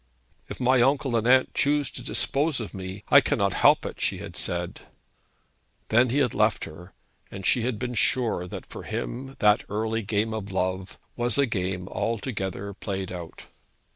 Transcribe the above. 'If my uncle and aunt choose to dispose of me, I cannot help it,' she had said. Then he had left her, and she had been sure that for him that early game of love was a game altogether played out.